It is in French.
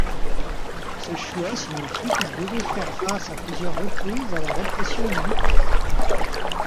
Ce choix signifie qu'ils devaient faire face à plusieurs reprises à la répression militaire.